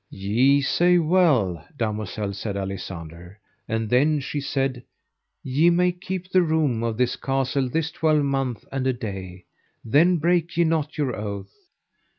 Ye say well, damosel, said Alisander. And then she said: Ye may keep the room of this castle this twelvemonth and a day, then break ye not your oath.